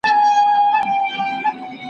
درمل کم کار کوي، رواني درملنه غوره ده.